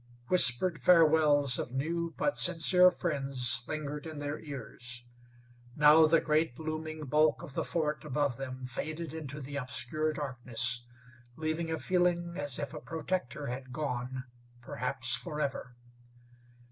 Whispered farewells of new but sincere friends lingered in their ears. Now the great looming bulk of the fort above them faded into the obscure darkness, leaving a feeling as if a protector had gone perhaps forever.